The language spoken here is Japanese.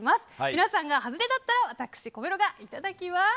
皆さんが外れだったら私、小室がいただきます。